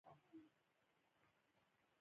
دا د يو بل سره داسې تړلي وي